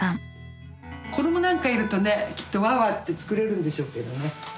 子どもなんかいるとねきっとワーワーって作れるんでしょうけどね。